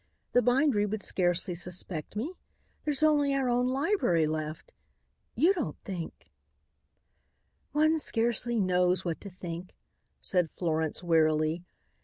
The bindery would scarcely suspect me. There's only our own library left. You don't think " "One scarcely knows what to think," said Florence wearily.